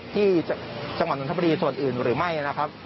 ที่จังหวัดนทบุรีส่วนอื่นหรือไม่นะครับ